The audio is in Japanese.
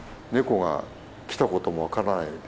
ネコが来たことも分からない